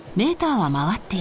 はい？